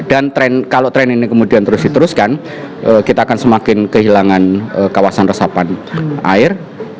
dan tren kalau tren ini kemudian terus diteruskan kita akan semakin kehilangan kawasan resapan air